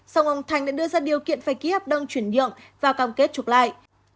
xong ông thanh đã đưa ra điều kiện phải ký hợp đồng chuyển nhượng và cam kết trục lại